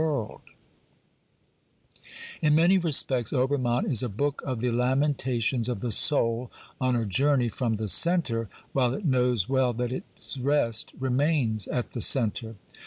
CRITICAL INTRODUCTION xxxv In many respects Obermann is a book of the lamentations of the soul on a journey from the centre, while it knows well that its rest remains at the centre.